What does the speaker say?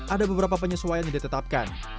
ada beberapa penyesuaian yang ditetapkan